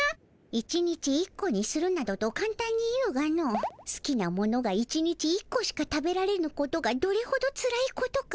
１日１個にするなどとかんたんに言うがのすきなものが１日１個しか食べられぬことがどれほどつらいことか。